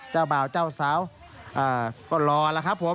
เจ้าบ่าวเจ้าสาวก็รอแล้วครับผม